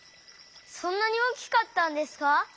そんなに大きかったんですか？